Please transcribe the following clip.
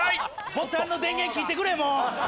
ボタンの電源切ってくれもう！